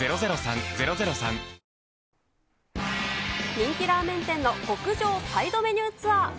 人気ラーメン店の極上サイドメニューツアー。